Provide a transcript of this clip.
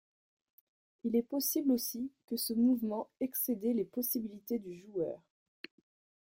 Il est possible aussi que ce mouvement excédait les possibilités du joueur.